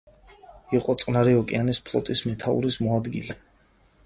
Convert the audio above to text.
იყო წყნარი ოკეანის ფლოტის მეთაურის მოადგილე.